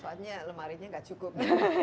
soalnya lemarinya nggak cukup